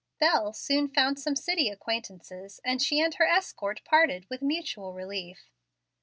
Bel soon found some city acquaintances, and she and her escort parted with mutual relief.